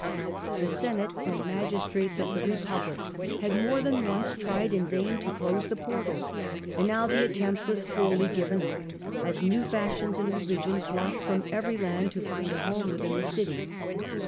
The Senate and magistrates of the Republic had more than once tried in vain to close the portals, and now the attempt was wholly given up, as new fashions in religion flocked from every land to find a home within the city.